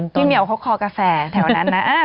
เหมียวเขาคอกาแฟแถวนั้นนะ